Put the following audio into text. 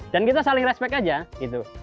dan kita saling respek aja gitu